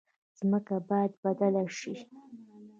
ځمکه باید بدله شي.